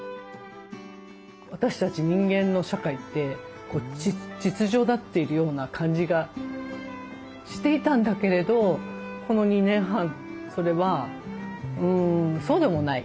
私たち人間の社会って秩序だっているような感じがしていたんだけれどこの２年半それはそうでもない。